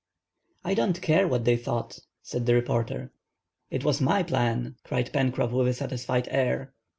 "I don't care what they thought," said the reporter. "It was my plan," cried Pencroff, with a satisfied air.